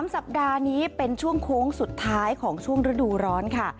สัปดาห์นี้เป็นช่วงโค้งสุดท้ายของช่วงฤดูร้อนค่ะ